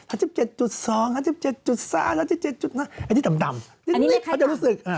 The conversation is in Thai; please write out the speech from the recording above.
อันนี้ต่ำเขาจะรู้สึก